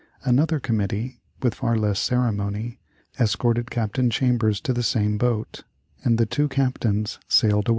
Another committee, with far less ceremony, escorted Captain Chambers to the same boat, and the two captains sailed away.